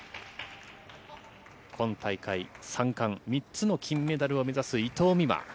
今大会３冠、３つの金メダルを目指す伊藤美誠。